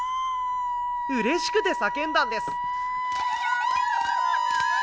うれしくて叫んだんです！